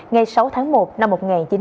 ngày sáu tháng một năm hai nghìn một mươi năm